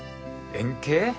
円形。